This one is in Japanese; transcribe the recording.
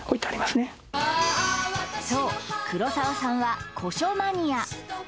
そう黒沢さんは古書マニア